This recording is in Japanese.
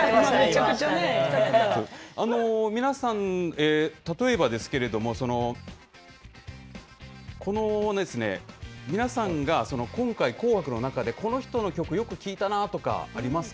皆さん、例えばですけれども、皆さんが、今回、紅白の中でこの人の曲、よく聞いたなとかあります